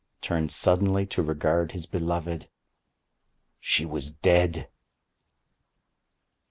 turned suddenly to regard his beloved:—She was dead!"